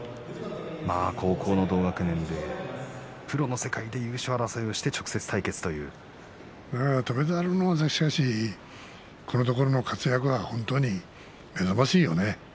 高校の同学年でプロの世界で優勝争いをして翔猿もこのところの活躍は本当に目覚ましいよね。